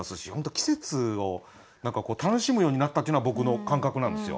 季節を楽しむようになったっていうのは僕の感覚なんですよ。